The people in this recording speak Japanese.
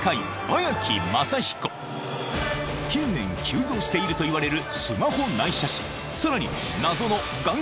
近年急増しているといわれる